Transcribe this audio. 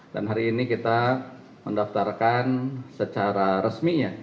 dan hari ini kita mendaftarkan secara resminya